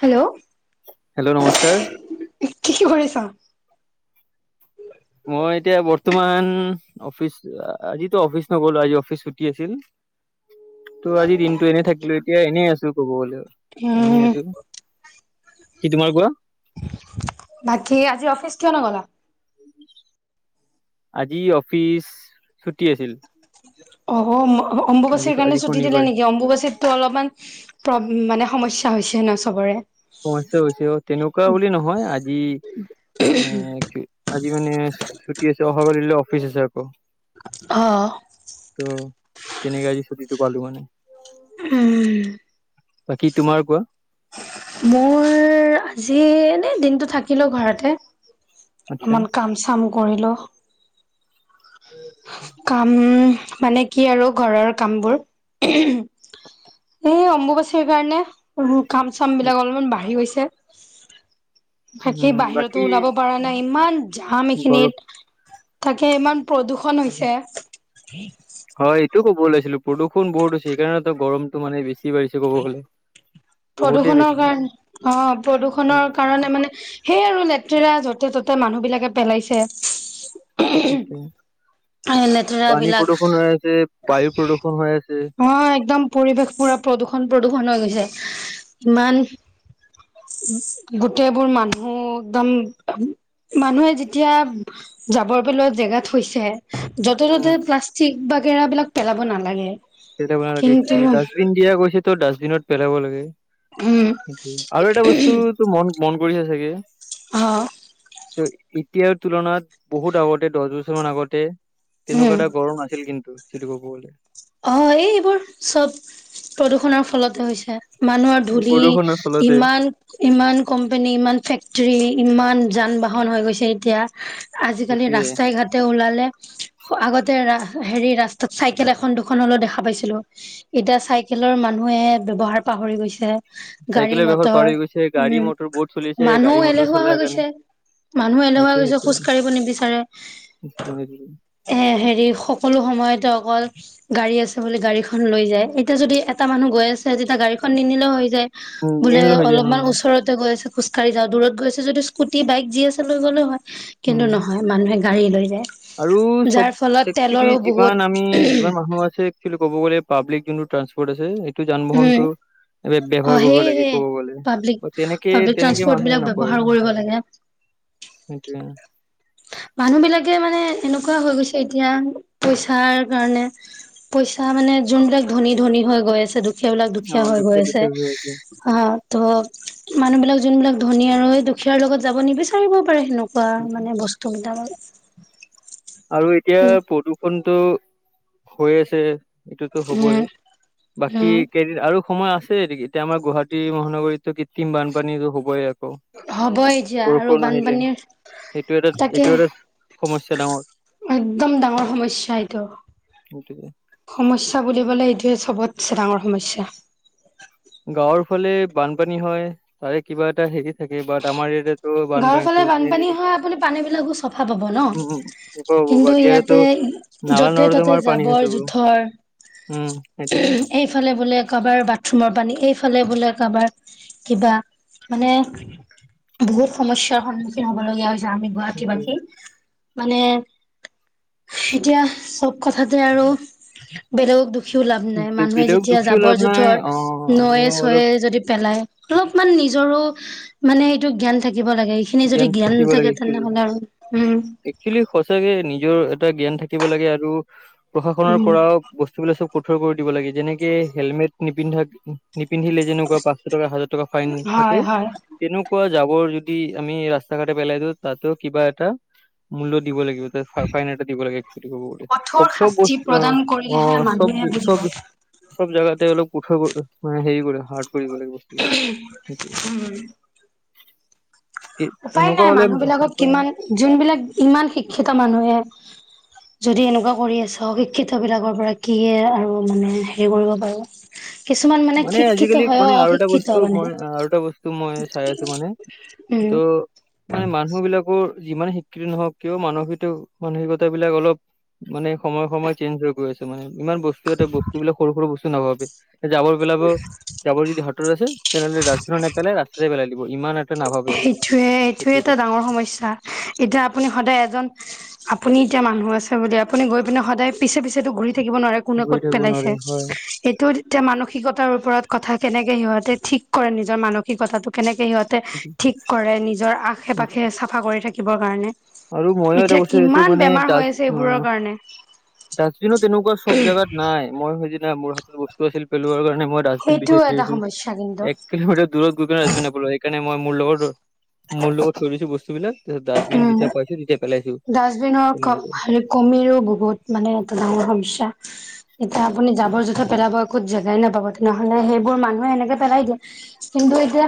Hello, কি কৰিছা? তোমান অফিচ, আজিতো অফিচ নগলো আজি অফিচ ছুটি আছিল। ত' আজি দিনটো এনে থাকিলো এতিয়া এনেই আছো কব গলে এনে উম, আছো। কি তোমাৰ কোৱা। বাকী আজি অফিচ কিয় নগলা? আজি অফিচ ছুটি আছিল। অ আজি অম্বুবাচীৰ কাৰণে আজি ছুটি দিলে শনিবাৰ নেকি অম্বুবাচিত টো অলপমান প্ৰ মানে সমস্যা হৈছে ন চবৰে সমস্যা হৈছে অ তেনেকুৱা বুলি নহয় আজি এ আজি মানে ছুটি আছে অহা কালিলৈ অফিচ আছে আকৌ ত' অ তেনেকে আজি ছুটিটো পালো মানে উম বাকী তোমাৰ কোৱা মোৰ আজি এনে দিনতটো থাকিলো ঘৰতে আচ্ছা ইমান কাম চাম কৰিলো কাম মানে কি আৰু ঘৰৰ কামবোৰ এই অম্বুবাচীৰ কাৰণে কাম চাম বিলাক অলপমান বাঢ়ি গৈছে ভালকেই উম বাহিৰতো বাকী ওলাব পৰা নাই ইমান জাম এইখিন ঘৰৰ তাকে ইমান প্ৰদূষন হৈছে। হয় এইটো ক'ব ওলাইছিলো প্ৰদূষ বহুত হৈছে সেইকাৰণে গৰমটো মানে বেছি। বাঢ়িছে ক'ব গ'লে বহুতেই প্ৰদূৰষণৰ বেছি। কাৰণ অ প্ৰদূৰষণৰ উম কাৰণে মানে সেই আৰু লেতেৰা য'তে ত'তে মানুহ বিলাকে পেলাইছে। লেতেৰা পানী বিলাক প্ৰদূৰষণ হৈ আছে বায়ু প্ৰদূৰ্ষণ হৈ আছে অ একদম পৰিৱেশ পুৰা প্ৰদূষণ প্ৰদূৰষণ হৈ গৈছে ইমান গোটেইবোৰ মানুহ একদম মানুহে যেতিয়া যাবৰ পেলোৱা জেগা থৈছে য'তে ত'তে উম প্লাষ্টিক বাগেৰা বিলাক পেলাব নালাগে পেলাব নালাগে কিন্তু ডাষ্টবিন দিয়া গৈছেতো ডাষ্টবিনত পেলাব লাগে উম আৰু এটা বস্তু তো মন মন কৰিছে চাগে অ ত এতিয়াৰ তুলনাত বহুত আগতে দহ বছৰ মান আগতে তেনেকুৱা উম এটা গৰম আছিল কিন্তু সিটো কবলে অ এই এইবোৰ চব প্ৰদূৰষণৰ ফলতে হৈছে মানুহৰ এই ধূলি প্ৰদূষণৰ ফলতে ইমান ইমান কোম্পানী ইমান ফেক্টৰী ইমান যান বাহন হৈ গৈছে এতিয়া আজিকালি সেইটোয়ে ৰাস্তাই ঘাটে ওলালে আগতে ৰা হেৰি ৰাস্তাত চাইকেল এখন দুখ দুখন হ'লেও দেখা পাইছিলো এতিয়া চাইকেলৰ মানুহে ব্যৱহাৰ পাহৰি গৈছে। গাড়ী চাইকেলৰ বেহৰ পাৰ মটৰ হৈ গৈছে উম গাড়ী মটৰ বহুত চলিছে গাড়ী মানুহো মটৰ এলেহুৱা চলাৰ হৈ কাৰণে গৈছে। মানুহ এনেকুৱা হৈ সেইটোয়ে গৈছে খোজ কাঢ়িব নিবিচাৰে সেইটোয়ে এ হেৰি সকলো সময়তে অকল গাড়ী আছে বুলি গাড়ীখন লৈ যায় এতিয়া যদি এটা মানুহ গৈ আছে যেতিয়া গাড়ীখন নিনিলেও হৈ যায়। বোলে নেল হৈ যায় উম, অলপমান ওচৰতে গৈ আছো খোজ কাঢ়ি যাওঁ দূৰত গৈছে যদি স্কুটি বাইক যি আছে লৈ গ'লেও হয় কিন্তু উম, নহয় মানুহে গাড়ী লৈ যায়। আৰু যাৰ ফলত চব একচলি তেলৰো বহুত যিমান আমি যিমান মানুহ একচলি কব গলে পাব্লিক যোনটো ট্ৰান্সপ'ৰ্ট আছে এইটো যান উম বাহনটো এই অ ব্যৱহাৰ কৰিব লাগে সেয়েহে ক'ব গলে পাব্লিক তেনেকে পাব্লিক তেনেকে ট্ৰান্সপৰ্ট বিলাক মানুহে নকৰে। ব্যৱহাৰ কৰিব লাগে সেইটোৱে আ। মানুহ বিলাকে মানে এনেকুৱা হৈ গৈছে এতিয়া পইচাৰ কাৰণে পইচা মানে যোনবিলাক ধনী ধনী হৈ গৈ আছে দু দুখিয়া বিলাক দুখীয়া আমাৰ হৈ দুখে গৈ আছে দুখে হৈ আহ তো মানুহ বিলাক যোনবিলাক ধনী আৰু দুখীয়াৰ লগত যাব নিবিচাৰিব পাৰে সেনক তাৰ মানে বস্তু বিলাকৰ আৰু এতিয়া প্ৰদূষণটো হৈ আছে। এইটোতো উম হ'বই বাকী উম কেইদিন আৰু সময় আছেই এইডিগী এতিয়া আমাৰ গুৱাহাটী মহানগৰীতো কৃত্ৰিম বানপানীতো হ'বই আৰু। হ'ব এতিয়া আৰু বৰুষোনো আহিলে বানপানীৰ সেইটো এটা তাকে এইটো এটা সমস্যা ডাঙৰ। একদম ডাঙৰ সমস্যা এইটো সেইটোৱে। সমস্যা বুলিবলে এইটোয়ে চবতছে ডাঙৰ সমস্যা। গাঁৱৰ ফালে বানপানী হয় তাৰে কিবা এটা হেৰি থাকে বা আমাৰ ইয়াতে ঘৰৰ ফালে বানপানী হয় আপুনি পানী বিলাকো চফা পাব ন উম হ'ব হ'ব কিন্তু বাট ইয়াতেতো ইয়াতে নালা য'তে ত'তে নৰ্দমাৰ পানী হৈ জাবৰ যাব উম জোথৰ সেইটোয়ে এইফালে বোলে কাৰবাৰ বাথৰুমৰ পানী এইফালে ইফালে বোলে কাৰোবাৰ কিবা মানে বহুত সমস্যাৰ সন্মুখীন হ'ব লগগীয়া হৈছে আমি গুৱাহাটীবাসী। সেইটোয়ে মানে এতিয়া চব কথাতে আৰু বেলেগক দুখ সিও লাভ নাই মানুহে বেলেগক যেতিয়া দুখিও জাবৰ লাভ নাই জোথৰ অ নয়ে আমিও ছয়ে অলপ যদি পেলায় অলপমান নিজৰো মানে সেইটো জ্ঞান থাকি থাকিব লাগে এইখিনি যদি জ্ঞান থাকিব নাথাকে লাগে একচুৱেলি তেনেহলে আৰু উম। হ'লেও এটা জ্ঞান থাকিব লাগে আৰু প্ৰশাসনৰ পৰা বস্তুবিলাক চব কঠোৰ কৰি দিব লাগে, যেনেকে হেলমেট নিপিন্ধাকে নিপিন্ধিলে যেনেকুৱা পাঁচশ টকা হাজাৰ টকা ফাইন থাকে হয় হয় তেনেকুৱা জাবৰ যদি আমি ৰাস্তা ঘাটে পেলাই দিওঁ, তাতো কিবা এটা মূল্য দিব লাগিব, ফাইন এটা দিব লাগে। এৰ্ক্সচোৱেলী ক'ব গ'লে, কঠোৰ চব চব অহ শাস্তি বস্তু প্ৰদান কৰিলেহে অহ চব মানুহে বুজিব চব চব জাগাতে‌ অলপ কঠোৰ অহ হেৰি [unintelligible] হাৰ্ট কৰিব লাগিব বস্তুবিলাক সেইটোৱে। উপায় এনেকুৱা নাই হ'লে মানুহ বিলাকত উপায় নাই। কিমান যোনবিলাক ইমান শিক্ষিত মানুহে যদি এনেকুৱা কৰি আছ শিক্ষিতৰ বিলাকৰ পৰা কি আৰু মানে হেৰি কৰিব পাৰো। কিছুমান মানে শিক্ষিত আজিকালি হয় মানে আৰু এটা অশিক্ষিত বস্তু মানে মই আৰু এটা বস্তু মই চাই আছো মানে উম ত' মানে মানুহ বিলাকৰো যিমান শিক্ষিত নহওক কিয় মানসিকটো মানসিকতা বিলাক অলপ মানে সময় সময় চেঞ্জ হৈ গৈছে মানে ইমান বস্তু এটা বস্তু বিলাক সৰু সৰু বস্তু নাভাবে যাব পেলাব যাবৰ যদি হতত আছে তেনেহ'লে ডাষ্টবিনত নেপেলাই ৰাস্তাতে পেলাই দিব ইমান এটা নাভাবে সেইটোয়ে, এইটোয়ে সেইটোয়ে এটা ডাঙৰ সমস্যা। এতিয়া আপুনি সদায় এজন আপুনি এতিয়া মানুহ আছে বুলি, আপুনি গৈ পিনে সদায় পিছে পিছেতটো ঘূৰি থাকিব নোৱাৰে কোনে ঘূৰি ক'ত থাকিব পেলাইছে। নোৱাৰে হয় এইটো এতিয়া মানসিকতাৰ ওপৰত কথা কেনেকে সিহঁতে ঠিক কৰে। নিজৰ মানসিকতাটো কেনেকে সিহঁতে সেইটো- ঠিক কৰে নিজৰ সেইটো। আশে-পাশে চাফা কৰি থাকিবৰ কাৰণে। আৰু মইও এটা এতিয়া বস্তু কিমান বেমাৰ হৈ আছে এইবোৰৰ কাৰণে। ডাষ্টবিনত তেনেকুৱা চব জোগাত নাই। মই সেইদিনা মোৰ হাতত বস্তু আছিল পেলোৱাৰ কাৰণে মই মই ডাষ্টবিন সেইটোও বিচাৰি এটা আছো। সমস্যা কিন্তু এক কিলোমিটাৰ দূৰত ডাষ্টবিন নাপালো সেইকাৰণে মই মোৰ লগত, মোৰ লগত থৈ গৈছো বস্তুবিলাক তাৰপিছত ডাষ্টবিন উম যেতিয়া পাইছো তেতিয়া পেলাইছো ডাষ্টবিনৰ ক, তেনেকুৱা ‌ হেৰি কমি বহুত মানে এটা ডাঙৰ সমস্যা। এতিয়া আপুনি জাবৰ-জোথৰ পেলাব একোত জেগাই নাপাব, তেনেহ'লে সেইবোৰ মানুহে এনেকে পেলাই দিয়ে। কিন্তু এতিয়া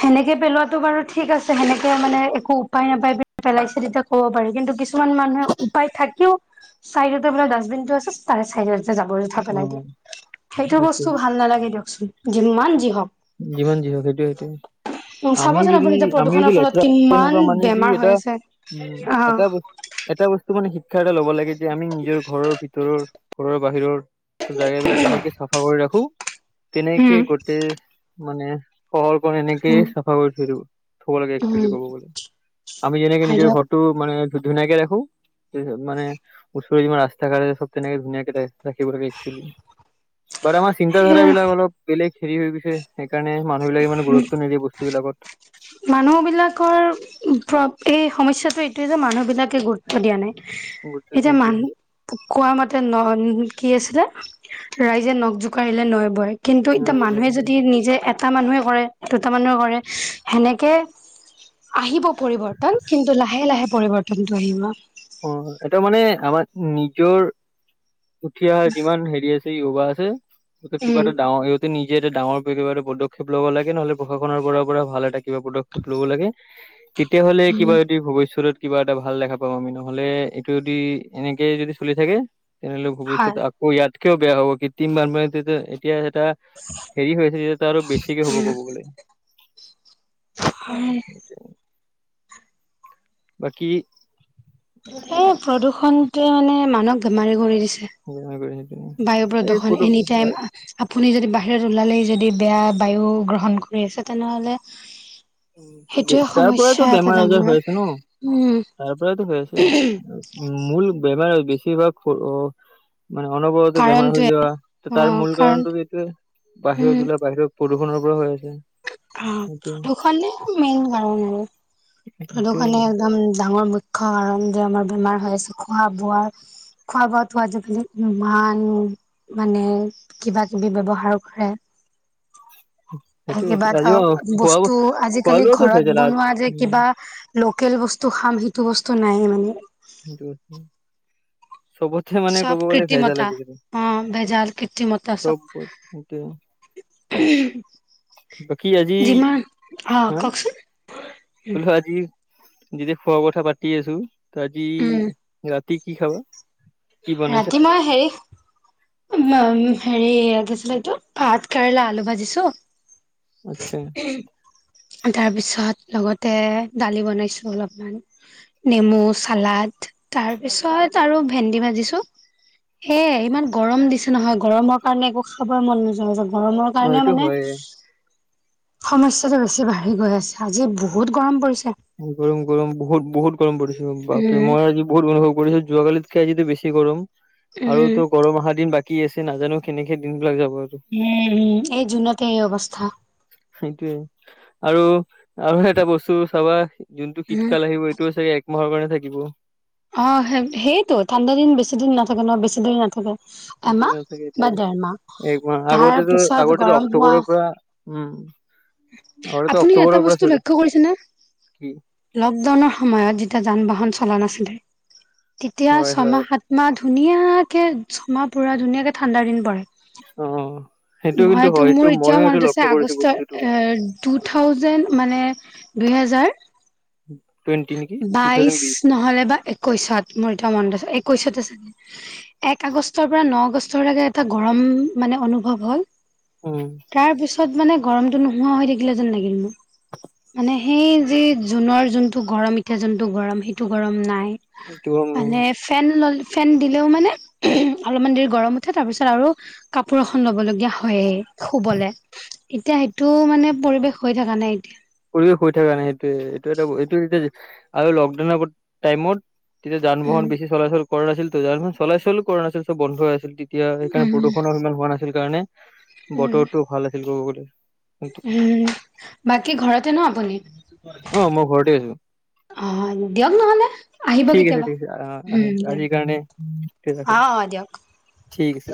সেনেকে পেলোৱাতটো বাৰু ঠিক আছে, সেনেকে মানে একো উপায় নাপাই উপায় পেলে পেলাইছে তেতিয়া ক'ব পাৰি, কিন্তু কিছুমান মানুহে উপায় থাকিও চাইডতো বোলে ডাষ্টবিনটো আছে তাৰে চাইড জাবৰ-জোথৰ অ পেলাই দিয়ে। সেইটো সেইটোৱে বস্তু ভাল নালাগে দিয়কচোন যিমান যি হওঁক। যিমান যি হওঁক সেইটোযৱে সেইটোৱে, আমি চাবচোন যদি আপুনি এতিয়া আমি প্ৰদূষণৰ যদি ফলত লেতেৰা কিমান তেনেকুৱা মানে কি বেমাৰ হৈ এটা আছে। উম, এটা অ', বস্তু, এটা বস্তু মানে শিক শিক্ষা এটা ল'ব লাগে যে আমি নিজৰ ঘৰৰ ভিতৰৰ, ঘৰৰ বাহিৰৰ চব জোগাব বিলাক যেনেকে চাফা কৰি ৰাখোঁ। তেনেকে উম। গোটেই মানে চহৰখন এনেকে চাফা কৰি থৈ দিব। থব লাগে এৰ্ক্সচোৱেলী উম, ক'ব গ'লে, আমি যেনেকে হয় নিজৰ দিয়ক ঘৰটো মানে ধুনীয়াকে ৰাখো। মান ওচৰে যিমান ৰাস্তা ঘাটে চবে এনেকে ধুনীয়াক ৰাখিব লাগে এৰ্ক্সচোৱেলী। বাত্ আমাৰ চিন্তাধাৰা সেয়া বিলাক অলপ বেলেগ হেৰি হৈ গৈছে। সেইকাৰণে মানুহবিলাক ইমান গুৰুত্ব নিদিয়ে বস্তুবিলাক। মানুহবিলাকৰ প্ৰ এই সমস্যাটো এইটোৱেই যে মানুহবিলাকে গুৰুত্ব দিয়া নাই। এতিয়া মানুহ প কোৱা মতে ন কি আছিলে? ৰাইজে নখ জোকাৰিলে নৈ বয়। কিন্তু এতিয়া মানুহে যদি নিজে এটা মানুহে কৰে, দুটা মানুহে কৰে সেনেকে আহিব পৰিবৰ্তন, কিন্তু লাহে লাহে পৰিৱৰ্তনতো আহিব। অহ, এটা মানে আমাৰ নিজৰ উঠি অহা যিমান হেৰি আছে। যুৱা আছে কিবা উম, এটা ডাঙৰ নিজে এটা ডাঙৰ [unintelligible] পদক্ষেপ ল'ব লাগে, নহ'লে প্ৰশাসনৰ পৰা পৰা ভাল এটা কিবা পদক্ষেপ ল'ব লাগে, তেতিয়াহ'লে কিবা যদি ভৱিষ্যতত কিবা এটা ভাল দেখা পাওঁ আমি নহ। নহ'লে, এইটো যদি এনেকে যদি চলি থাকে, তেনেহ'লে ভৱিষ্যত হয়। আকৌ ইয়াত কিয় বেয়া হ'ব, কৃত্ৰিম বানপানীতে তে এতিয়া এটা হেৰি হৈছে, যেতিয়া আৰু বেছিকে হ'ব, ক'ব গ'লে। [unintelligible] হয়। বাকী এই, প্ৰদূষণটোৱে মানে মানুহক বেমাৰী কৰি দিছে হয়- হয় -। বায়ু প্ৰদূষণ এনিটাইম আপুনি আপুনি যদি বাহিৰত ওলালেই যদি বেয়া বায়ু গ্ৰহণ কৰি আছে তেনেহ'লে উম, সেইটোয়ে তাৰ সমস্যা পৰাইতো এটা বেমাৰ ডাঙৰ আজাৰ হৈ আছে ন উম তাৰ পৰাইতো হৈ আছে। মূল বেমাৰ বেছিভাগ মানে অনবৰতে বেমাৰ হৈ কাৰণটোৱে যোৱা, অ তাৰ মূল কাৰণ কাৰণটো এইটোৱে, উম বাহিৰত গ'লে বাহিৰত প্ৰদূষণৰ পৰা হৈ আছে। অহ, সেইটোৱে প্ৰদূষণে মেইন কাৰণ আৰু। সেইটোৱে প্ৰদূষণে একদম ডাঙৰ মুখ্য কাৰণ যে, আমাৰ বেমাৰ হৈ আছে খোৱা বোৱা। খোৱা -বোৱাতো আজিকালি ইমান মানে কিবা- কিবি ব্যৱহাৰ কৰে হয় [inaudible] সেইটোয়েটো অ, বস্তু আজিকালি ঘৰত ভেজাল আ বনোৱা যে উম কিবা লোকেল বস্তু খাম, সেইটো বস্তু নাই মানে। [unintelligible] চবতচে মানে চব কব গ'লে ভেজাল কৃত্ৰিমতা আজিকালি, অ ভেজাল কৃত্ৰিমতা চব চবতে আজি যিমান, অ কওকচোন হলেও আজি যেতিয়া খোৱা কথা পাতি আছো আজি উম ৰাতি কি খাবা? কি বনাইছা ৰাতি মই হেৰি হেৰি কি আছিলে এইটো ভাত কেৰেলা আলু ভাজিছো। আত্ছা। তাৰপিছত, লগতে দালি বনাইছো অলপমান নেমু চালাড তাৰ পিছত আৰু ভেন্দি ভাজিছো সেইয়াই ইমান গৰম দিছে নহয় গৰমৰ কাৰণে একো খাবই মন নোযোৱা হল গৰমৰ অ কাৰণে এইটো মানে হয় সমস্যাটো বেছি বাঢ়ি গৈ আছে আজি বহুত গৰম পৰিছে। গৰম - গৰম, বহুত - বহুত গৰম পৰিছে বাপৰে উম আজি বহুত অনুভৱ কৰিছে যোৱাকালি আজিতো বেছি গৰম আৰু উম তো গৰম অহা দিন বাকী আছে নাজানো কেনেকে দিন বিলাক যাব আৰু, উম উম এই জুনতে এই অৱস্থা সেইটোৱে। আৰু- আৰু এটা বস্তু চাবা, যোনটো উম, শীতকাল আহিব এইটো চাগে একমাহৰ কাৰণে থাকিব। থাকে ন, বেছি দেৰি নাথাকে। এমাহ চাগে বা এইটোৱে একমাহ দেৰমাহ তাৰ আগতেতো পিছত আগতেতো গৰম হোৱা অক্টোবৰৰ পৰা উম আগতেতো আপুনি এটা অক্টোবৰৰ পৰা বস্তু চলি লক্ষ্য কৰিছে ন কি লকডাউনৰ সময়ত যেতিয়া যান-বাহন চলা নাছিলে তেতিয়া হয় হয় ছমাহ, সাতমাহ ধুনীয়াকে ছমাহ পুৰা ধুনীয়াকে ঠাণ্ডা দিন পৰে অ, সেইটো কিন্তু মইতো হয় এইটো মোৰ এতিয়াও মইও এইটো মনত আছে লক্ষ্য কৰিছো আগষ্ট বস্তুটো এ টু থাউজেড মানে দুইহেজাৰ টুৱেণ্টি নেকি টু থাউজেণ্ড বাইশ বিশ নহ'লে বা একৈশত মোৰ এতিয়া মনড [unintelligible] কৈছতে চাগে [unintelligible] এক আগষ্টৰ পৰা ন আগষ্টৰ লকে এটা গৰম মানে অনুভৱ হল উম, তাত মানে গৰমটো নোহোৱা হৈ থাকিলে যেন লাগিল মোৰ, মানে সেই যি জুনৰ জোনটো গৰম এতিয়া যোনটো গৰম সেইটো গৰম নাই এইটো গম নাই মানে ফেন ল ফেন দিলেও মানে অলপমান দেৰি গৰম উঠে তাৰ পিছত আৰু কাপোৰ এখন ল'ব লগীয়া হয়য়ে শুবলে এতিয়া সেইটো মানে পৰিৱেশ হৈ থকা নাই এতিয়া পৰিৱেশ হৈ থাকা নাই সেইটোৱে এইটো এটা এইটো এতিয়া আৰু লকডাউনৰ আগত টাইমত তেতিয়া যান উম, বাহন বেছি চলাচল কৰা নাছিল টো যান- বাহন চলাচলো কৰা নাছিল চব বন্ধ হৈ আছিল এতিয়া সেইকাৰণে উম, প্ৰদূষণো সিমান হোৱা নাছিল কাৰণে উম, বতৰটো ভাল আছিল ক'ব গলে। কিন্তু উম, বাকী ঘৰতে ন আপুনি? অ', মই ঘৰতে আছো। অ, দিয়ক নহলে আহিব ঠিক আছে কেতিয়াবা ঠিক আছে আহ আহিম উম আজিৰ কাৰণে অ। অ, দিয়ক। ঠিক আছে।